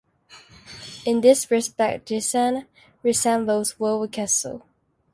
In this respect Giessen resembles Wouw Castle.